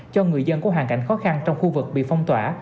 cho người dân có hoàn cảnh khó khăn trong khu vực bị phong tỏa